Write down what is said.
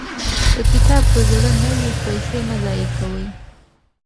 که کتاب په زړه نه وي، پیسې مه ضایع کوئ.